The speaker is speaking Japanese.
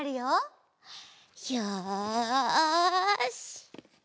よし！